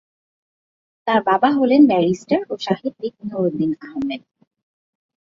তাঁর বাবা হলেন ব্যারিস্টার ও সাহিত্যিক নুরউদ্দিন আহমেদ।